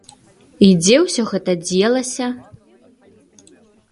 І дзе ўсё гэта дзелася?